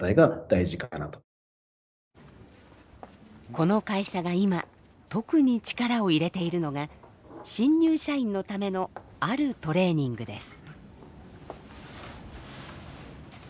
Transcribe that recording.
この会社が今特に力を入れているのが新入社員のためのあるトレーニングです。